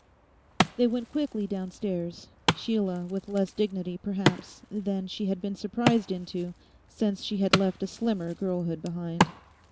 They went quickly downstairs, Sheila with less dignity, perhaps, than she had been surprised into since she had left a slimmer girlhood behind.